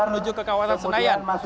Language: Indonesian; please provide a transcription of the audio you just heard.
menuju ke kawasan senayan